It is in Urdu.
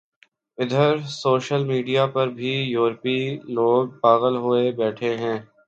ادھر سوشل میڈیا پر بھی ، یورپی لوگ پاغل ہوئے بیٹھے ہیں ۔